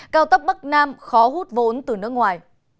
cao tốc bắc nam khó hút vốn từ nước ngoài